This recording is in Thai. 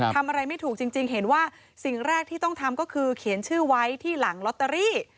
ทำอะไรไม่ถูกจริงเห็นว่าสิ่งแรกที่ต้องทำก็คือเขียนชื่อไว้ที่หลังลอตเตอรี่